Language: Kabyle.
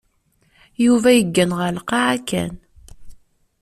Yuba yeggan ɣer lqaεa kan.